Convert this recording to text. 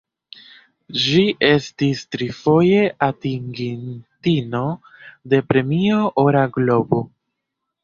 Ŝi estis trifoje atingintino de Premio Ora Globo.